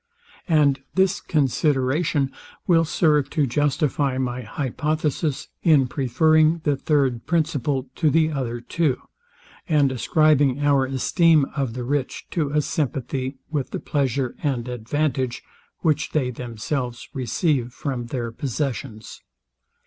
And this consideration will serve to justify my hypothesis in preferring the third principle to the other two, and ascribing our esteem of the rich to a sympathy with the pleasure and advantage, which they themselves receive from their possessions.